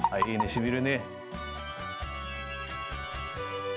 染みるね。